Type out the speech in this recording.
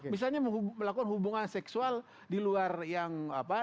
misalnya melakukan hubungan seksual di luar yang apa